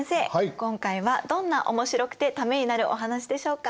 今回はどんなおもしろくてためになるお話でしょうか？